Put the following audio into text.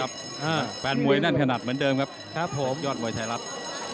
แฟนมวยแน่นขนาดเหมือนเดิมครับครับผมยอดมวยไทยรัฐ